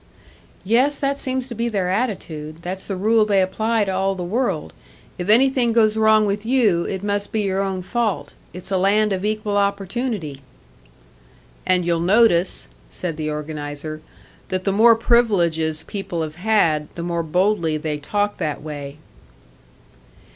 "Yes, that seems to be their attitude. That's the rule they apply to all the world if anything goes wrong with you, it must be your own fault. It's a land of equal opportunity." "And you'll notice," said the organiser, "that the more privileges people have had, the more boldly they talk that way."